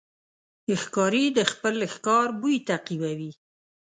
ښکاري د خپل ښکار بوی تعقیبوي.